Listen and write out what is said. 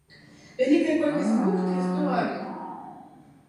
Вялікая колькасць бухт і эстуарыяў.